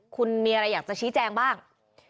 คุณมีอะไรอยากจะชี้แจงบ้าง